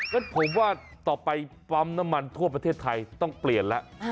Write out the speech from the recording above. งั้นผมว่าต่อไปปั๊มน้ำมันทั่วประเทศไทยต้องเปลี่ยนแล้ว